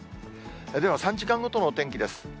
では、３時間ごとの天気です。